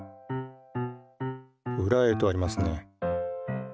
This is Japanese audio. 「ウラへ」とありますね。